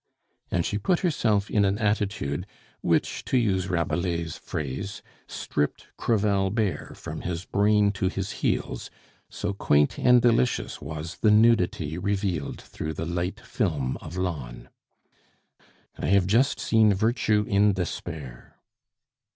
And she put herself in an attitude which, to use Rabelais' phrase, stripped Crevel bare from his brain to his heels, so quaint and delicious was the nudity revealed through the light film of lawn. "I have just seen virtue in despair."